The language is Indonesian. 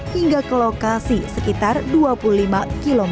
hingga ke lokasi sekitar dua puluh lima km